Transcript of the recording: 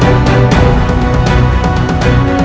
saya berharap bisa menemukan anda